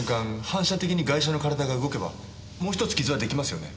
反射的にガイシャの体が動けばもう１つ傷は出来ますよね。